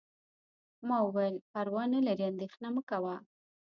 ما وویل: پروا نه لري، اندیښنه مه کوه.